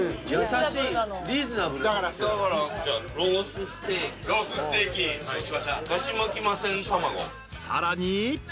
［さらに］